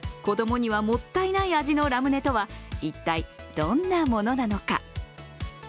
子供にはもったいない味のラムネとは一体どんなものなのか。